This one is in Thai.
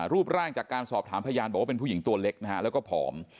รูปร่างจากการสอบถามพยานบอกว่าเป็นผู้หญิงตัวเล็กนะฮะแล้วก็ผอม